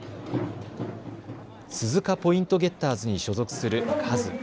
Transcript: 鈴鹿ポイントゲッターズに所属するカズ。